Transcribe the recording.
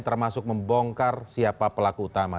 termasuk membongkar siapa pelaku utama